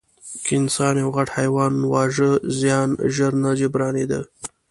که انسان یو غټ حیوان واژه، زیان ژر نه جبرانېده.